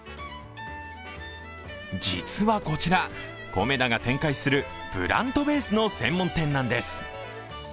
実はこちら、コメダが展開するプラントベースの専門店なんです。